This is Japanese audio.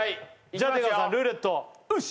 じゃあ出川さんルーレットよし！